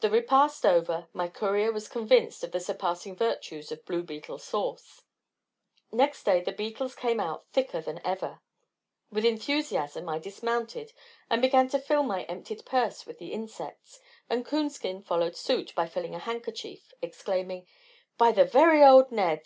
The repast over, my courier was convinced of the surpassing virtues of blue beetle sauce. Next day the bettles came out thicker than ever. With enthusiasm, I dismounted, and began to fill my emptied purse with the insects, and Coonskin followed suit by filling a handkerchief, exclaiming: "By the very old Ned!